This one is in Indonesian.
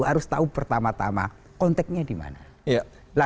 harus tahu pertama tama konteknya di mana